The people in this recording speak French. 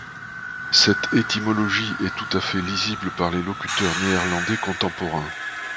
Cette étymologie est tout à fait lisible par les locuteurs néerlandais contemporains.